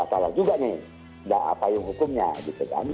kita salah juga nih apa yang hukumnya gitu kan